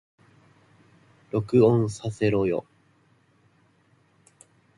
録音させろよ